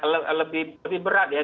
lebih berat ya